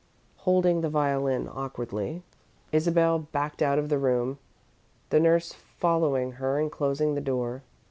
Holding the violin awkwardly, Isabel backed out of the room, the nurse following her and closing the door.